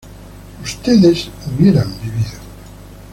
ustedes hubieran vivido